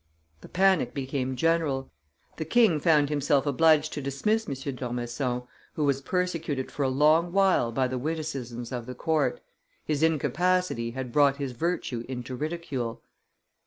The panic became general; the king found himself obliged to dismiss M. d'Ormesson, who was persecuted for a long while by the witticisms of the court. His incapacity had brought his virtue into ridicule.